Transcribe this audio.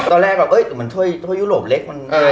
ตอนแรกแบบเฮ้ยมันเท้ยยุโรปเล็ก